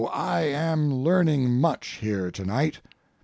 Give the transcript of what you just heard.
I am learning much here to night.